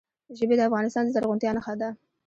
ژبې د افغانستان د زرغونتیا نښه ده.